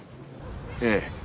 ええ。